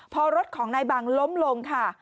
พอรถของนายบังล้มลงค่ะ